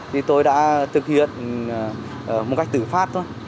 thì tôi đã thực hiện một cách tử pháp thôi